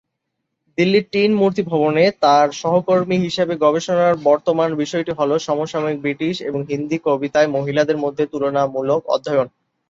দিল্লির টিন মূর্তি ভবনে তাঁর সহকর্মী হিসাবে গবেষণার বর্তমান বিষয়টি হলো "সমসাময়িক ব্রিটিশ এবং হিন্দি কবিতায় মহিলাদের মধ্যে তুলনামূলক অধ্যয়ন"।